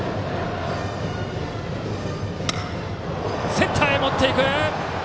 センターへ持っていく！